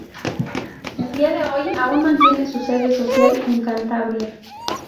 A día de hoy aún mantiene su sede social en Cantabria.